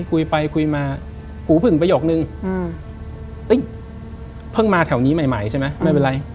คุยไปคุยมาหูผึ่งประโยคนึงเพิ่งมาแถวนี้ใหม่ใหม่ใช่ไหมไม่เป็นไร